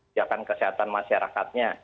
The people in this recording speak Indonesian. siapkan kesehatan masyarakatnya